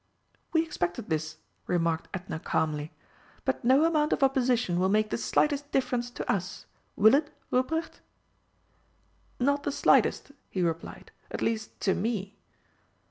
"We expected this," remarked Edna calmly. "But no amount of opposition will make the slightest difference to us will it, Ruprecht?" "Not the slightest," he replied. "At least to ME."